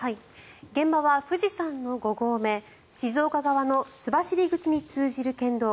現場は富士山の五合目静岡側の須走口に通じる県道